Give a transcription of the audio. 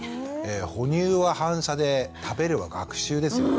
哺乳は反射で食べるは学習ですよね。